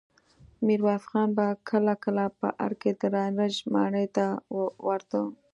ميرويس خان به کله کله په ارګ کې د نارنج ماڼۍ ته ورته.